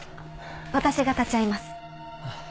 私が立ち会います。